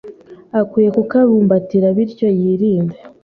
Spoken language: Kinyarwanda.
akwiye kukabumbatira bityo yirinde